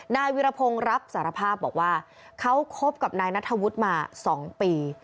นายวิรพงศ์รับสารภาพบอกว่าเขาคบกับนายนัทธวุฒิมา๒ปี